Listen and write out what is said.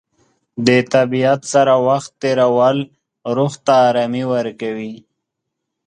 د طبیعت سره وخت تېرول روح ته ارامي ورکوي.